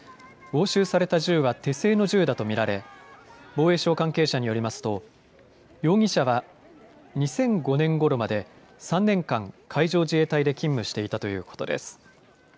押収された銃は手製の銃だと見られ防衛省関係者によりますと容疑者は２００５年ごろまで３年間、海上自衛隊で勤務していたということです。